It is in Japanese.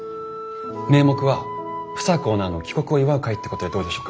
名目は房子オーナーの帰国を祝う会ってことでどうでしょうか？